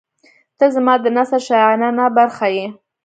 • ته زما د نثر شاعرانه برخه یې.